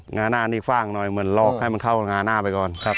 หน้านี่ฟ่างหน่อยเหมือนลอกให้มันเข้างาหน้าไปก่อนครับ